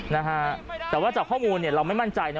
นะฮะแต่ว่าจากข้อมูลเนี่ยเราไม่มั่นใจนะ